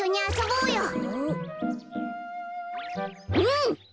うん！